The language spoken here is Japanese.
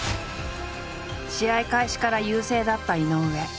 試合開始から優勢だった井上。